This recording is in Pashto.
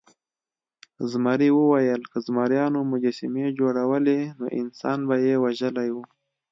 زمري وویل که زمریانو مجسمې جوړولی نو انسان به یې وژلی و.